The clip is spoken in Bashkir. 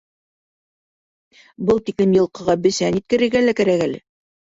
— Ул тиклем йылҡыға бесән еткерергә лә кәрәк әле.